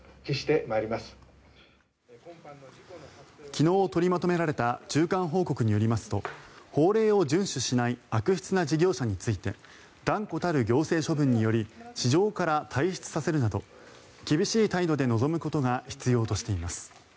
昨日取りまとめられた中間報告によりますと法令を順守しない悪質な事業者について断固たる行政処分により市場から退出させるなど厳しい態度で臨むことが必要としています。